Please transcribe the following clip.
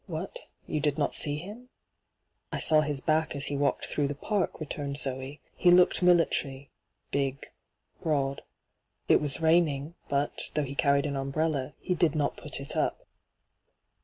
' What ? You did not see him V ' I saw his back as he walked throagh the park,' returned Zee. ' He looked military — big, broad. It was raining, but, though he carried an umbrella, he did not put it up.